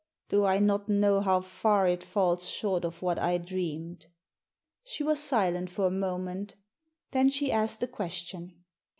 Do I not know how far it falls short of what I dreamed !" She was silent for a moment Then she asked a question.